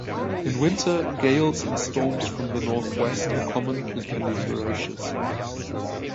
In winter gales and storms from the northwest are common and can be ferocious.